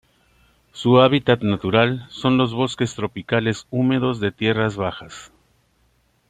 Su hábitat natural son los bosques tropicales húmedos de tierras bajas.